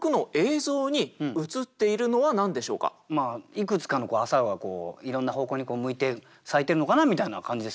いくつかの「朝顔」がこういろんな方向に向いて咲いてるのかなみたいな感じですけどね。